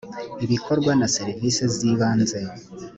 ibikorwa na serivise z’ibanze